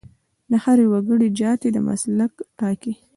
د هر وګړي جاتي د مسلک ټاکي.